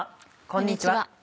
こんにちは。